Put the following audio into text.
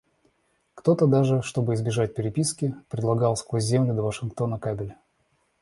Кто-то даже, чтоб избежать переписки, предлагал — сквозь землю до Вашингтона кабель.